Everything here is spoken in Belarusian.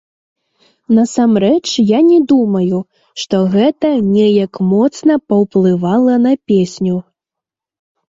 Насамрэч, я не думаю, што гэта неяк моцна паўплывала на песню.